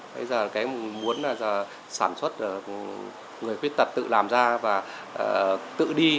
bây giờ cái muốn là sản xuất người khuyết tật tự làm ra và tự đi